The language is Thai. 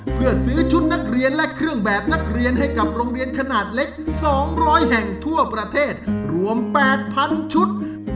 เพื่อซื้อชุดนักเรียนและเครื่องแบบนักเรียนให้กับโรงเรียนขนาดเล็ก๒๐๐แห่งทั่วประเทศรวม๘๐๐๐ชุด